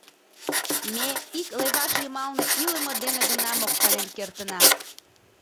Ме ик леваш йымалне илыме дене гына моктанен кертына.